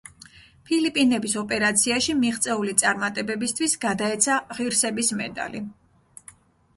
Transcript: ფილიპინების ოპერაციაში მიღწეული წარმატებებისთვის გადაეცა ღირსების მედალი.